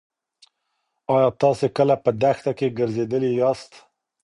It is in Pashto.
ایا تاسې کله په دښته کې ګرځېدلي یاست؟